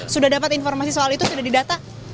sudah dapat informasi soal itu sudah didata